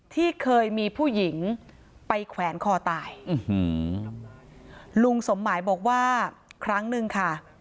ที่เคยมีผู้หญิงไปแขวนคอตายลุงสมหมายบอกว่าครั้งนึงค่ะ